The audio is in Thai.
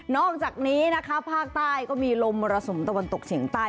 อกจากนี้นะคะภาคใต้ก็มีลมมรสุมตะวันตกเฉียงใต้